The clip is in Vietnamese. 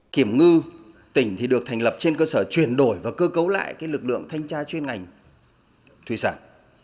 kiểm ngư tỉnh thì được thành lập trên cơ sở chuyển đổi và cơ cấu lại cái lực lượng thanh tra chuyên ngành thuy sản